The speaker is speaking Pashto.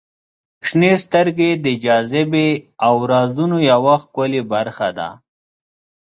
• شنې سترګې د جاذبې او رازونو یوه ښکلې برخه ده.